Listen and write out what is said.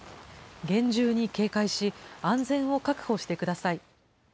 厳重に警戒し、安全を確保してください。